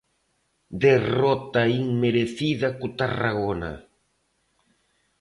Derrota inmerecida co Tarragona.